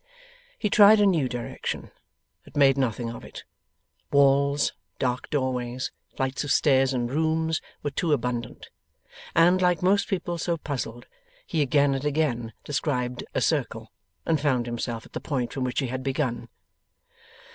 He tried a new direction, but made nothing of it; walls, dark doorways, flights of stairs and rooms, were too abundant. And, like most people so puzzled, he again and again described a circle, and found himself at the point from which he had begun.